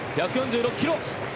１４６キロ。